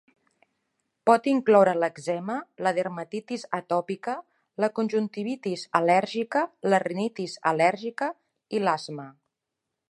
Pot incloure l'èczema, la dermatitis atòpica, la conjuntivitis al·lèrgica, la rinitis al·lèrgica i l'asma.